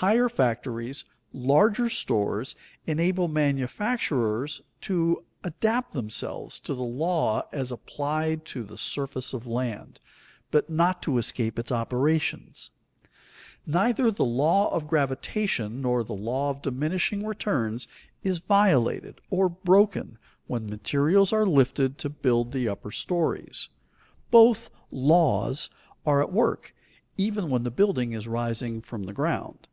Higher factories, larger stores, enable manufacturers to adapt themselves to the law as applied to the surface of land, but not to escape its operations. Neither the law of gravitation nor the law of diminishing returns is violated or broken when materials are lifted to build the upper stories. Both "laws" are at work, even when the building is rising from the ground.